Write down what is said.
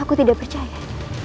aku tidak percaya